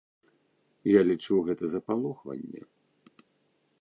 Я лічу, гэта запалохванне.